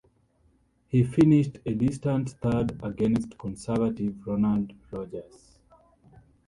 He finished a distant third against Conservative Ronald Rogers.